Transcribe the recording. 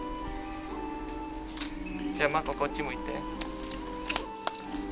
じゃ眞子、こっち向いて。